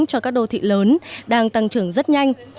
cho các đô thị lớn đang tăng trưởng rất nhanh